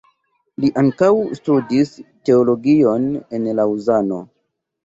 Li ankaŭ studis teologion en Laŭzano.